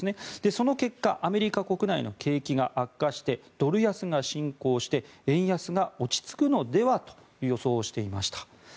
その結果アメリカ国内の景気が悪化してドル安が進行して円安が落ち着くのではと予想をしていました。